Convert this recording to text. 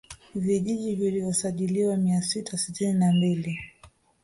Vijiji vilivyosajiliwa mia sita sitini na mbili